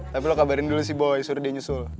tapi lu kabarin dulu si boy suruh dia nyusul